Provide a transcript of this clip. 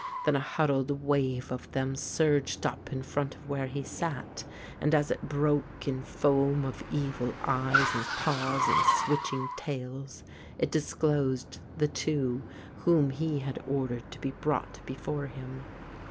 Then a huddled wave of them surged up in front of where he sat, and as it broke in foam of evil eyes and paws and switching tails, it disclosed the two whom he had ordered to be brought before him.